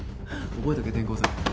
覚えとけ転校生。